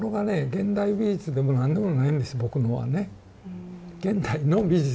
現代美術でも何でもないんです僕のはね。